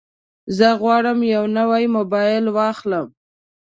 زه غواړم یو نوی موبایل واخلم.